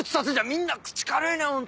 みんな口軽いなホント。